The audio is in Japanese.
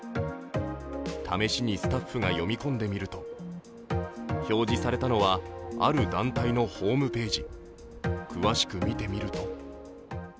試しにスタッフが読み込んでみると、表示されたのはある団体のホームページ。